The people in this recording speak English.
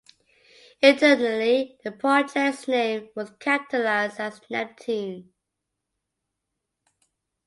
Internally, the project's name was capitalized as NepTune.